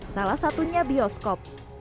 salah satunya bioskop